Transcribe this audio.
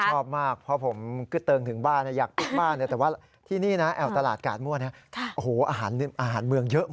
ผมชอบมากเพราะผมก็เติมถึงบ้านอยากติ๊กบ้านแต่ว่าที่นี่แอวตลาดกาศมั่วเนี่ยอาหารเมืองเยอะมาก